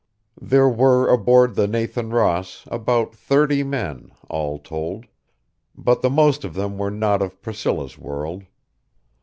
There were aboard the Nathan Ross about thirty men, all told; but the most of them were not of Priscilla's world.